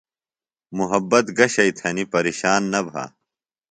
محبت گہ شئی تھنی پریشان نہ بھہ۔